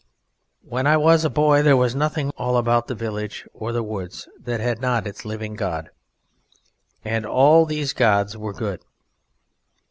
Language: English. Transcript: When I was a boy there was nothing all about the village or the woods that had not its living god, and all these gods were good.